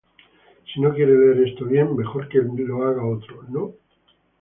Si no quieres leer esto bien, mejor que lo haga otro, ¿no?